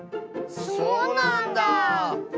そうなんだ